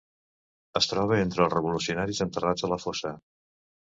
Es troba entre els revolucionaris enterrats a la fossa.